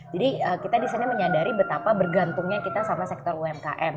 jadi kita disini menyadari betapa bergantungnya kita sama sektor umkm